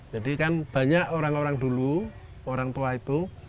jadi kan banyak orang orang dulu orang tua itu